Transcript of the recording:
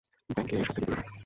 Bank কে এসব থেকে দূরে রাখ।